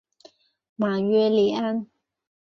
马约里安。